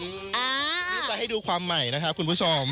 เดี๋ยวจะให้ดูความใหม่นะครับคุณผู้ชม